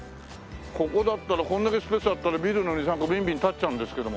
ここだったらこんだけスペースあったらビルの２３個ビンビン建っちゃうんですけども。